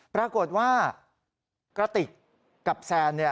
ปรากฏว่ากฎติกกับแซน